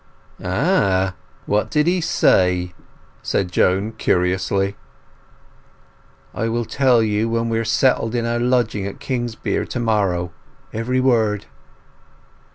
"Ah! What did he say?" said Joan curiously. "I will tell you when we are settled in our lodging at Kingsbere to morrow—every word."